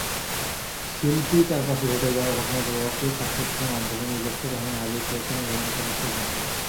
শিল্পী চারপাশের ঘটে যাওয়া ঘটনাপ্রবাহকে ছাপচিত্রের মাধ্যমে নিজস্ব ঢঙে হাজির করেছেন এবারের প্রদর্শনীতে।